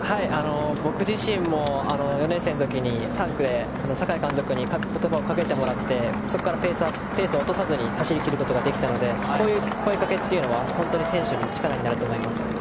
僕自身も４年生の時に３区で酒井監督に言葉をかけてもらってそこからペースを落とさずに走りきれたのでこういう声かけというのは本当に選手の力になると思います。